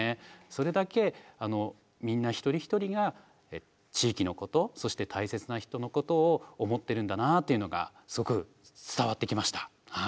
それだけみんな一人一人が地域のことそして大切な人のことを思ってるんだなあっていうのがすごく伝わってきました。